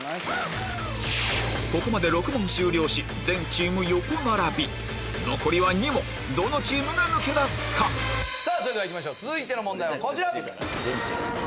ここまで６問終了し全チーム横並び残りは２問どのチームが抜け出すか⁉さぁ続いての問題はこちら。